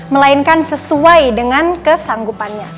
melainkan sesuai dengan kesanggupannya